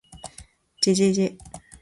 ｗ じぇじぇじぇじぇ ｗ